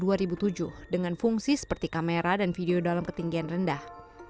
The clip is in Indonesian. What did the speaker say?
dengan fungsi seperti kamera dan video dalam ketinggian rendah